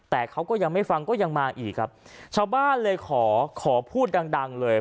แต่เขาก็ยังไม่ฟังก็ยังมาอีกครับชาวบ้านเลยขอขอพูดดังดังเลย